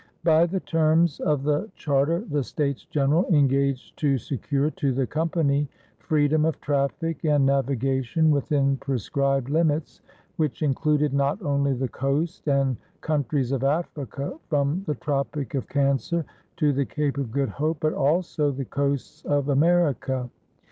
By the terms of the charter the States General engaged to secure to the Company freedom of traffic and navigation within prescribed limits, which included not only the coast and countries of Africa from the Tropic of Cancer to the Cape of Good Hope but also the coasts of America.